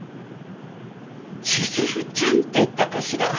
千鶴ちゃんっていったかしら。